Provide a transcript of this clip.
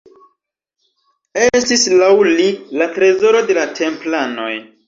Estis laŭ li la trezoro de la templanoj.